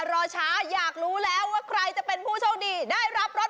รอช้าอยากรู้แล้วว่าใครจะเป็นผู้โชคดีได้รับรถ